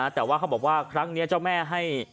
แต่ว่าเขาบอกว่าครั้งนี้เจ้าแม่ให้